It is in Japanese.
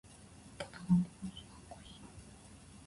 田中洸希かっこいい